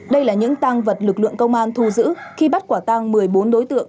đây là những tăng vật lực lượng công an thu giữ khi bắt quả tăng một mươi bốn đối tượng